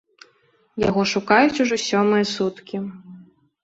Яго шукаюць ужо сёмыя суткі.